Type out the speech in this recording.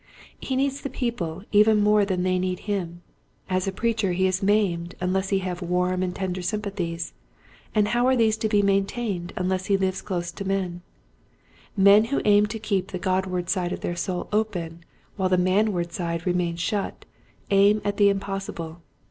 He needs the people even more than they need him. As a preacher he is maimed unless he have warm and tender sympathies, and how are these to be maintained unless he lives close to men } Men who aim to keep the Godward side of their soul open while the manward side remains shut aim at the impossible.